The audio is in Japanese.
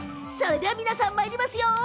皆さんまいりますよ。